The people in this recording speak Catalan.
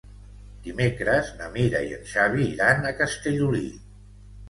Dimecres na Mira i en Xavi iran a Castellolí.